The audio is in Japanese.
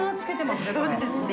そうですね。